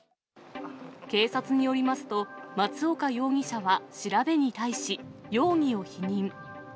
警察によりますと、松岡容疑者は調べに対し容疑を否認。